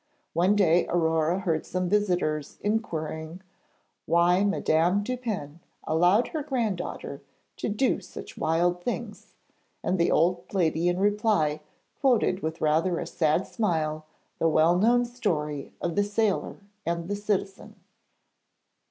One day Aurore heard some visitors inquiring why Madame Dupin allowed her granddaughter to do such wild things, and the old lady in reply quoted with rather a sad smile the well known story of the sailor and the citizen.